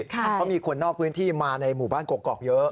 เพราะมีคนนอกพื้นที่มาในหมู่บ้านกกอกเยอะ